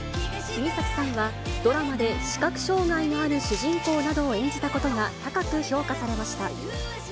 杉咲さんは、ドラマで視覚障がいのある主人公などを演じたことが高く評価されました。